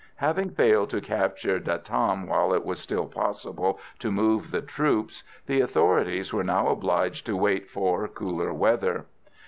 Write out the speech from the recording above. Having failed to capture De Tam while it was still possible to move the troops, the authorities were now obliged to wait for cooler weather.